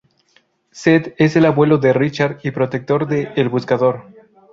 Zedd es el abuelo de Richard y protector de "El Buscador".